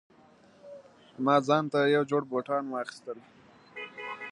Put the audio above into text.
ما ځانته یو جوړ بوټان واخیستل